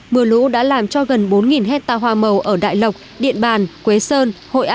mưa lũ đã làm cho gần bốn hectare hoa màu ở đại lộc điện bàn quế sơn